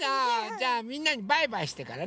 じゃみんなにバイバイしてからね。